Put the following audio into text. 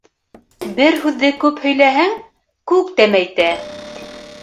Бер һүҙҙе күп һөйләһәң, күк тәмәйтә.